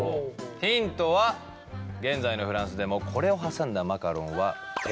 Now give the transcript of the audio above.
ヒントは現在のフランスでもこれを挟んだマカロンは定番の一つ。